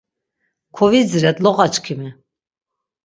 Kovidziret loqaçkimi.